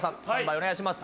お願いします。